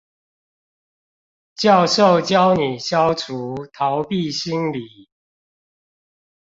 教授教你消除逃避心理